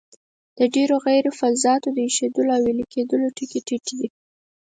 د ډیرو غیر فلزاتو د ایشېدلو او ویلي کیدلو ټکي ټیټ دي.